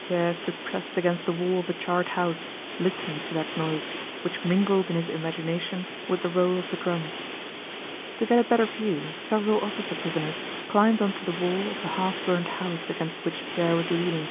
Pierre stood pressed against the wall of a charred house, listening to that noise which mingled in his imagination with the roll of the drums. To get a better view, several officer prisoners climbed onto the wall of the half burned house against which Pierre was leaning.